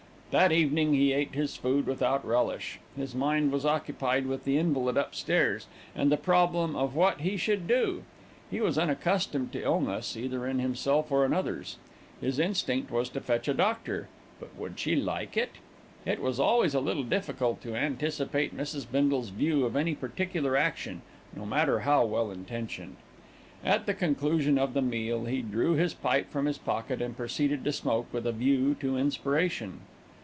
That evening he ate his food without relish. His mind was occupied with the invalid upstairs and the problem of what he should do. He was unaccustomed to illness, either in himself or in others. His instinct was to fetch a doctor; but would she like it? It was always a little difficult to anticipate Mrs. Bindle's view of any particular action, no matter how well intentioned. At the conclusion of the meal, he drew his pipe from his pocket and proceeded to smoke with a view to inspiration.